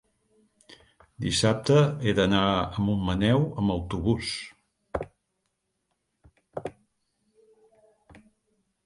dissabte he d'anar a Montmaneu amb autobús.